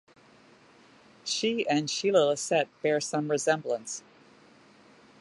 She and Sheilla Lissette bear some resemblance.